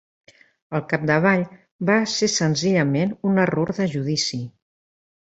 Al capdavall, va ser senzillament un error de judici.